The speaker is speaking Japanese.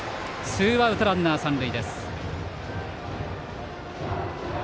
ツーアウトランナー、三塁です。